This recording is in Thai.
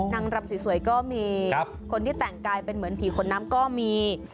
รำสวยก็มีคนที่แต่งกายเป็นเหมือนผีขนน้ำก็มี